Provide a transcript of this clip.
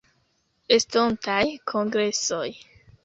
Estontaj Kongresoj.